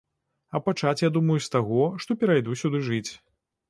А пачаць я думаю з таго, што перайду сюды жыць.